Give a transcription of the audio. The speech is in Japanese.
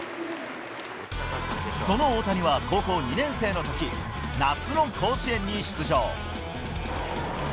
その大谷は高校２年生のとき、夏の甲子園に出場。